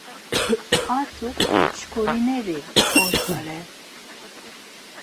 Artuk mşkorinei ort̆are.